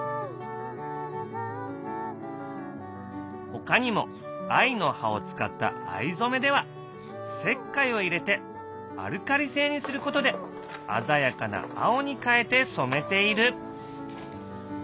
ほかにも藍の葉を使った藍染めでは石灰を入れてアルカリ性にすることで鮮やかな青に変えてそめている。